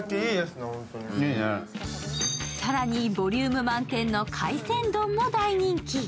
更に、ボリューム満点の海鮮丼も大人気。